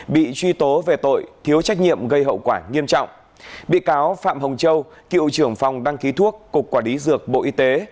bị truy tố về tội thiếu trách nhiệm gây hậu quả nghiêm trọng bị cáo phạm hồng châu cựu trưởng phòng đăng ký thuốc cục quản lý dược bộ y tế